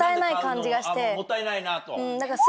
もったいないなと。